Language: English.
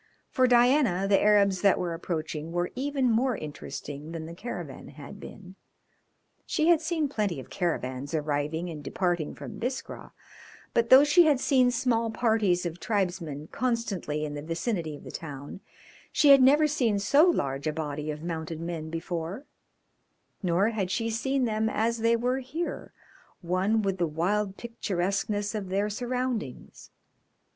For Diana the Arabs that were approaching were even more interesting than the caravan had been. She had seen plenty of caravans arriving and departing from Biskra, but, though she had seen small parties of tribesmen constantly in the vicinity of the town, she had never seen so large a body of mounted men before, nor had she seen them as they were here, one with the wild picturesqueness of their surroundings.